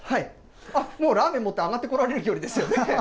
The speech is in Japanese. もうラーメン持って上がってこられる距離ですよね。